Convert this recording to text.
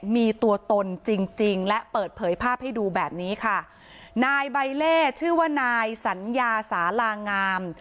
มีตัวตนจริงจริงและเปิดเผยภาพให้ดูแบบนี้ค่ะนายใบเล่ชื่อว่านายสัญญาสาลางาม